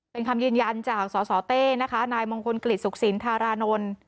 เป็นคำยืนยันจากสตนายมงคลกฤษศุกษิณธารานนท์